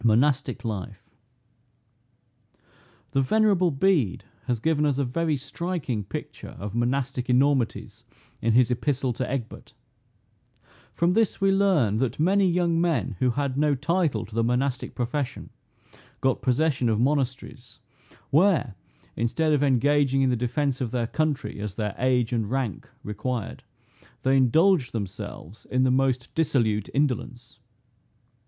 MONASTIC LIFE. The venerable Bede has given us a very striking picture of Monastic enormities, in his epistle to Egbert. From this we learn that many young men who had no title to the monastic profession, got possession of monasteries; where, instead of engaging in the defence of their country, as their age and rank required, they indulged themselves in the most dissolute indolence.